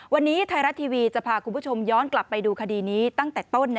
วันนี้ไทยรัฐทีวีจะพาคุณผู้ชมย้อนกลับไปดูคดีนี้ตั้งแต่ต้น